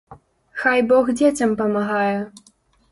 Хай бог дзецям памагае!